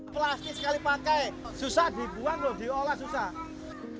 plastik sekali pakai susah dibuat lho diolah susah